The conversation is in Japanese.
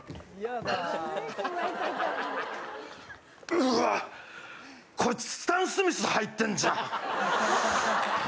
うわっ、こいつスタン・スミス履いてんじゃん。